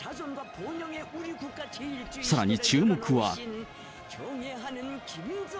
さらに注目は。